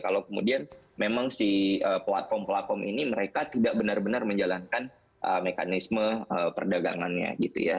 kalau kemudian memang si platform platform ini mereka tidak benar benar menjalankan mekanisme perdagangannya gitu ya